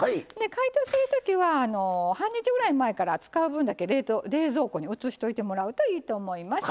解凍するときは半日ぐらい前から使う分だけ冷蔵庫に移してもらうといいと思います。